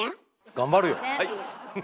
頑張るよ。